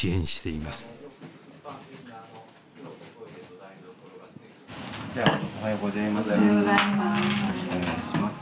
おはようございます。